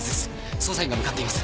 捜査員が向かっています。